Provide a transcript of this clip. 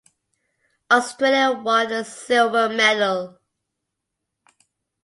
Australia won the silver medal.